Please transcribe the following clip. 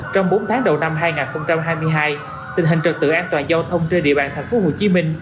trong bốn tháng đầu năm hai nghìn hai mươi hai tình hình trật tự an toàn giao thông trên địa bàn tp hcm